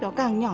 nó càng nhỏ